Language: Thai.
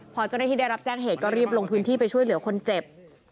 พอเจ้าหน้าที่ได้รับแจ้งเหตุก็รีบลงพื้นที่ไปช่วยเหลือคนเจ็บ